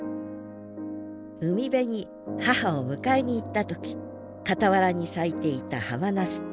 海辺に母を迎えに行った時傍らに咲いていたハマナス。